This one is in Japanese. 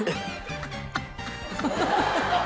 ハハハハ。